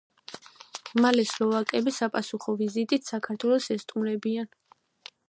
მალე სლოვაკები საპასუხო ვიზიტით საქართველოს ესტუმრებიან.